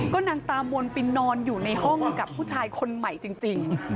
นางตามนไปนอนอยู่ในห้องกับผู้ชายคนใหม่จริง